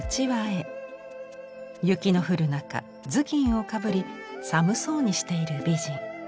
雪の降る中頭巾をかぶり寒そうにしている美人。